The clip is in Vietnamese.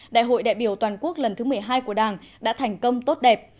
đại hội đại biểu toàn quốc lần thứ một mươi hai của đảng đã thành công tốt đẹp